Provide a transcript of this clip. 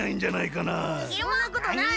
そんなことない！